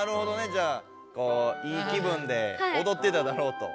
じゃあこういい気分でおどってただろうと。